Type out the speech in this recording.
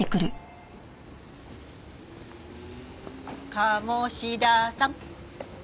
鴨志田さん。